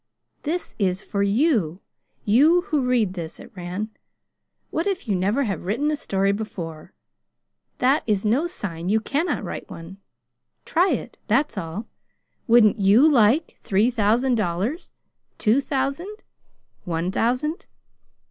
"This is for you you who read this," it ran. "What if you never have written a story before! That is no sign you cannot write one. Try it. That's all. Wouldn't YOU like three thousand dollars? Two thousand? One thousand?